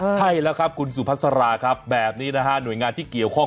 ใช่แล้วครับคุณสุพัสราครับแบบนี้นะฮะหน่วยงานที่เกี่ยวข้อง